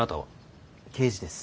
刑事です。